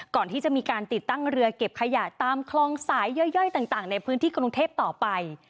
ก่อนที่จะมีการติดตั้งเรือเก็บขยะตามคลองสายย่อยต่างในพื้นที่กรุงเทพต่อไป